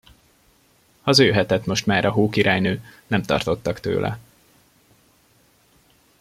Hazajöhetett most már a Hókirálynő, nem tartottak tőle.